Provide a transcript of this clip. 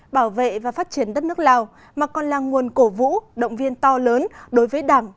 bảo vệ và phát triển đất nước lào mà còn là nguồn cổ vũ động viên to lớn đối với đảng